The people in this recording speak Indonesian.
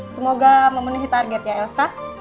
semoga memenuhi target ya elsa